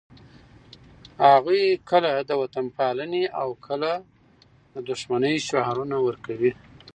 هغوی کله د وطنپالنې او کله د دښمنۍ شعارونه ورکوي.